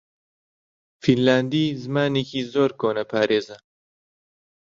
فینلاندی زمانێکی زۆر کۆنەپارێزە.